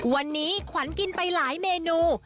วันนี้ขวัญกินไปหลายเมนู